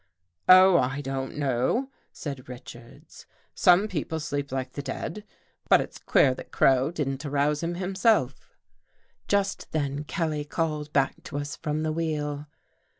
" Oh, I don't know," said Richards, " some peo ple sleep like the dead. But it's queer that Crow didn't arouse him himself." 278 WHAT WE SAW IN THE CAVE Just then Kelly called back to us from the wheel.